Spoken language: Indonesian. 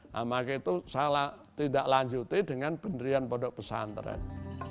nah maka itu salah tidak lanjuti dengan penderian produk pesantren